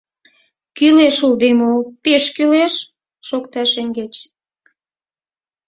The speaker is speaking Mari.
— Кӱлеш улде мо, пеш кӱлеш! — шокта шеҥгеч.